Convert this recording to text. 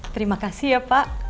terima kasih ya pak